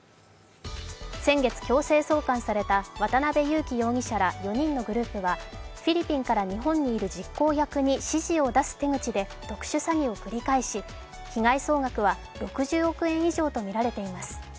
先月、強制送還された渡辺優樹容疑者ら４人のグループはフィリピンから日本にいる実行役に指示を出す手口で特殊詐欺を繰り返し、被害総額は６０億円以上とみられています。